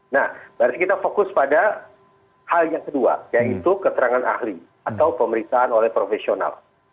nah berarti kita fokus pada hal yang kedua yaitu keterangan ahli atau pemeriksaan oleh profesional